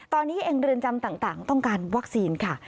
ตอนนี้เองเรือนจำต่างต้องการวัคซีนค่ะ